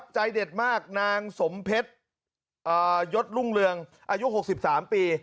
ใจเด็ดมากนางสมเพชรยศรุ่งเรืองอายุ๖๓ปี